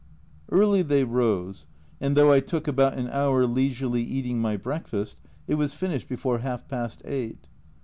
Early they rose, and though I took about an hour leisurely eating my breakfast, it was finished before half past eight.